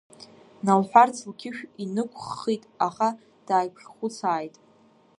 Налҳәарц лқьышә инықәххит, аха дааиԥхьхәыцааит…